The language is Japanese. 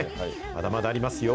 まだまだありますよ。